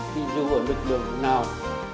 vì dù ở lực lượng nào